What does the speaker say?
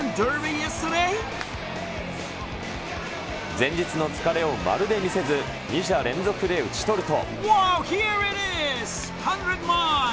前日の疲れを丸で見せず、２者連続で打ち取ると。